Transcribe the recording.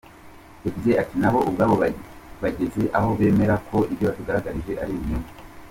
Yagize ati “Nabo ubwabo bageze aho bemera ko ibyo batugaragarije ari ibinyoma.